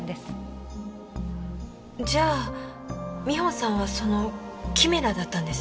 じゃあ美帆さんはそのキメラだったんですね？